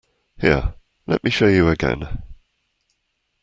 Here, let me show you again.